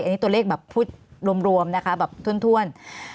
อันนี้ตัวเลขพูดรวมท่วน